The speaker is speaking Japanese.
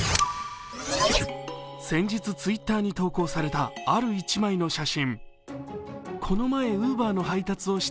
先日、Ｔｗｉｔｔｅｒに投稿されたある１枚の写真。